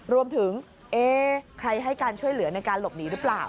เอ๊ะใครให้การช่วยเหลือในการหลบหนีหรือเปล่า